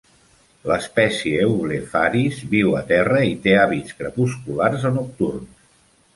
L'espècie "Eublepharis" viu a terra i té hàbits crepusculars o nocturns.